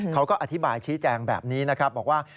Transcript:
เขาก็อธิบายชี้แจงแบบนี้นะครับบอกว่า